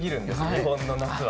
日本の夏は。